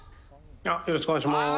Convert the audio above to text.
よろしくお願いします。